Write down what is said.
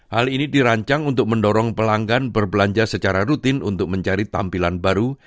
hal ini dirancang untuk mendorong pelanggan berbelanja secara rutin untuk mencari tampilan baru